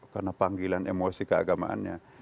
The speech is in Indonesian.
karena panggilan emosi keagamaannya